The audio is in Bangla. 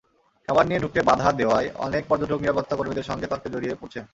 খাবার নিয়ে ঢুকতে বাধা দেওয়ায় অনেক পর্যটক নিরাপত্তাকর্মীদের সঙ্গে তর্কে জড়িয়ে পড়ছেন।